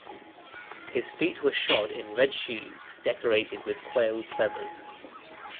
His feet were shod in red shoes decorated with quail's feathers.